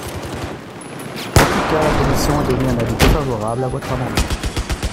En tout cas, la commission a donné un avis défavorable à votre amendement.